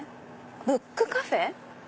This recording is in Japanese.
ブックカフェ？